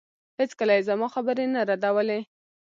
هېڅکله يې زما خبرې نه ردولې.